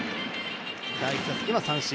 第１打席は三振。